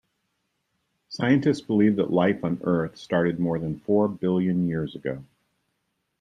Scientists believe that life on Earth started more than four billion years ago